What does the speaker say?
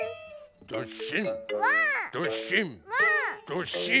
どっしん！